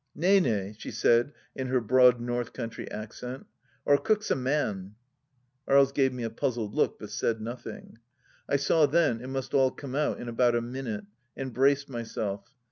" Nay, Nay !" she said in her broad North country accent. " Wor cook's a man !" Aries gave me a puzzled look, but said nothing. I saw then it must all come out in about a minute, and braced myself.